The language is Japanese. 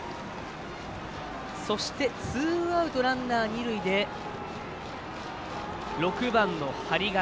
そして、ツーアウトランナー、二塁で６番の針金。